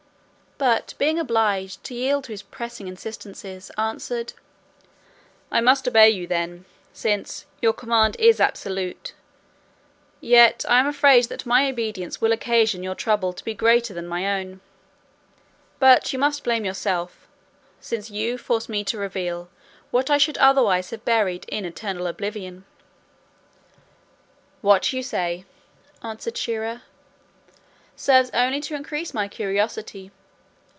But being obliged to yield to his pressing instances, answered, "I must obey you then, since your command is absolute, yet I am afraid that my obedience will occasion your trouble to be greater than my own. But you must blame yourself, since you force me to reveal what I should otherwise have buried in eternal Oblivion." "What you say," answered Shier ear, "serves only to increase my curiosity.